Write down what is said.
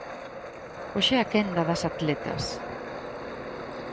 Hoxe é a quenda das atletas.